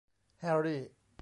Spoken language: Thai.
แฮร์รี่